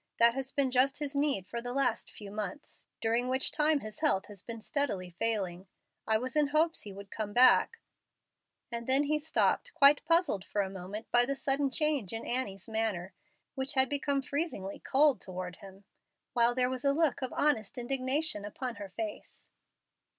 That has been just his need for the last few months, during which time his health has been steadily failing. I was in hopes he would come back " and then he stopped, quite puzzled for a moment by the sudden change in Annie's manner, which had become freezingly cold toward him, while there was a look of honest indignation upon her face.